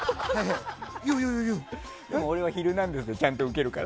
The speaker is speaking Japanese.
でも俺は「ヒルナンデス！」でちゃんとウケるから。